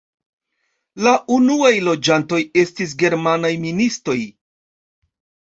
La unuaj loĝantoj estis germanaj ministoj.